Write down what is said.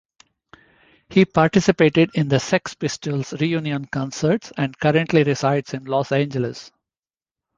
He participated in the Sex Pistols reunion concerts and currently resides in Los Angeles.